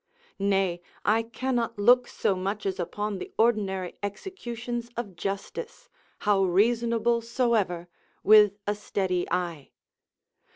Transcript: Nay, I cannot look so much as upon the ordinary executions of justice, how reasonable soever, with a steady eye.